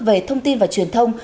về thông tin và truyền thông